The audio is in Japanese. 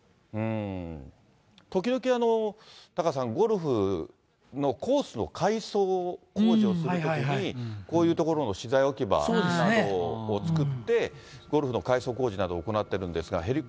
時々、タカさん、ゴルフのコースの改装工事をするときに、こういう所の資材置き場などを作って、ゴルフの改装工事などを行っているんですが。